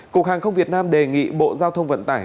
cục hàng không việt nam đề nghị bộ giao thông vận tải